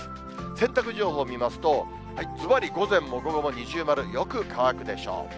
洗濯情報見ますと、ずばり、午前も午後も二重丸、よく乾くでしょう。